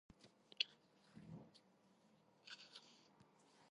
წარსულში ეს საქმე ყველა გოგონას უნდა ესწავლა.